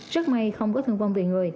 rất may không có thân vong viện